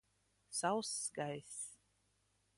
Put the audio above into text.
Sauss gaiss.